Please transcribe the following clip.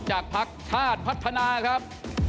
จากพักชาติพัฒนาครับ